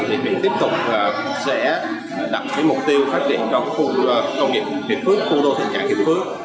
huyện nhà bè tiếp tục sẽ đặt mục tiêu phát triển cho khu công nghiệp hiệp phước khu đô thị cả hiệp phước